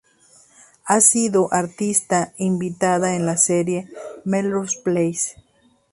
Ha sido artista invitada en la serie "Melrose Place".